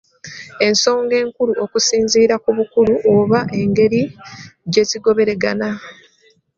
Ensonga enkulu okusinziira ku bukulu oba n'engeri gye zigoberegana.